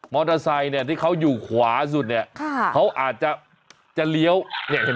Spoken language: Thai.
อเตอร์ไซค์เนี่ยที่เขาอยู่ขวาสุดเนี่ยค่ะเขาอาจจะเลี้ยวเนี่ยเห็นไหม